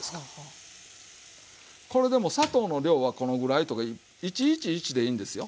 これでも砂糖の量はこのぐらいとか１：１：１でいいんですよ。